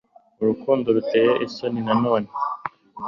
Urukundo ruteye isoni na none